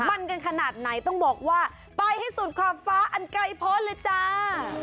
มันกันขนาดไหนต้องบอกว่าไปให้สุดขอบฟ้าอันไกลพ้นเลยจ้า